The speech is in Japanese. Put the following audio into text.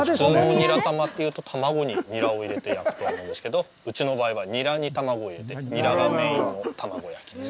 ニラたまっていうと卵にニラを入れて焼くと思うんですけど、うちの場合はニラに卵を入れて、ニラがメインの卵焼きです。